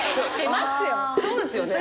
そうですよね。